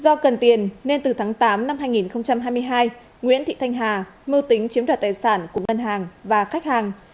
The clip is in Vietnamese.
do cần tiền nên từ tháng tám năm hai nghìn hai mươi hai nguyễn thị thanh hà mưu tính chiếm đoạt tài sản của ngân hàng và khách hàng